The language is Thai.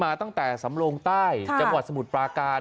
ตั้งแต่สำโลงใต้จังหวัดสมุทรปราการ